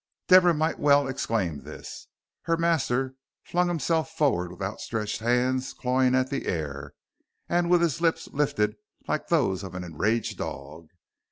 Deborah might well exclaim this. Her master flung himself forward with outstretched hands clawing the air, and with his lips lifted like those of an enraged dog.